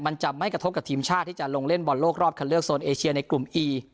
มันจะไม่กระทบกับทีมชาติที่จะลงเล่นบอลโลกรอบคันเลือกโซนเอเชียในกลุ่มอี